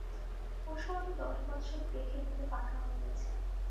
ও-সব আমি দশ বৎসর দেখে দেখে পাকা হয়ে গেছি।